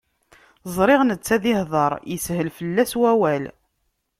Ẓriɣ netta ad ihdeṛ, ishel fell-as wawal.